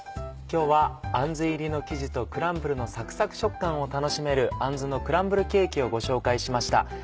今日はあんず入りの生地とクランブルのサクサク食感を楽しめる「あんずのクランブルケーキ」をご紹介しました。